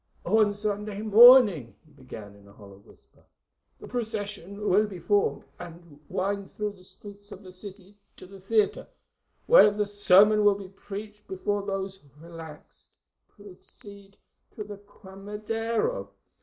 "On Sunday morning," he began in a hollow whisper, "the procession will be formed, and wind through the streets of the city to the theatre, where the sermon will be preached before those who are relaxed proceed to the Quemadero.